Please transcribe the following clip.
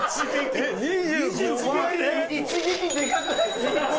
一撃でかくないですか？